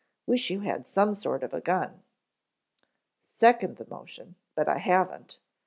Wish you had some sort of gun." "Second the motion, but I haven't.